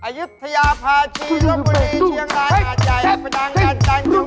อัยุธยาภาชีรบบุรีเชียงราชาจัย